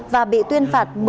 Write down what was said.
và bị tuyên phạt một mươi năm